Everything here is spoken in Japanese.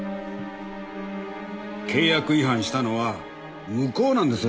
契約違反したのは向こうなんですよ。